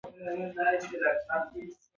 هم به مو هېواد وده او پرمختګ کړى و.